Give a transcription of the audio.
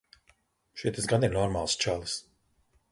Šitas gan ir normāls čalis.